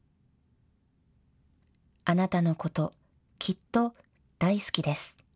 あなたのこときっと大好きです。